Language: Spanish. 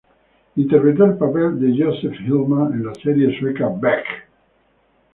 Interpretó el papel de Josef Hillman en la serie sueca "Beck".